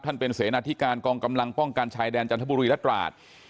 เป็นเสนาธิการกองกำลังป้องกันชายแดนจันทบุรีและตราด